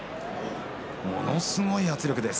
ものすごい圧力です。